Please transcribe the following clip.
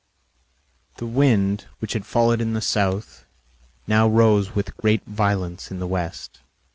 The wind, which had fallen in the south, now rose with great violence in the west.